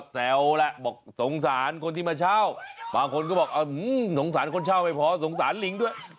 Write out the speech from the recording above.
สงสารคนเช่าไม่พอสงสารลิงด้วย